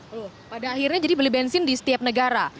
aduh pada akhirnya jadi beli bensin di setiap negara